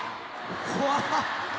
怖っ。